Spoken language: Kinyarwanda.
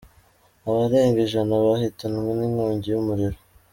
Abarenga ijana bahitanwe n’inkongi y’umuriro